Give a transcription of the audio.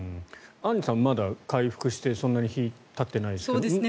アンジュさんは回復してそんなに日がたってないですけど。